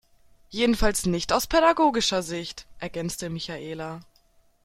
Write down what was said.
Jedenfalls nicht aus pädagogischer Sicht, ergänzte Michaela.